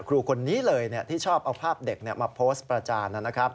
ครูคนนี้เลยที่ชอบเอาภาพเด็กมาโพสต์ประจานนะครับ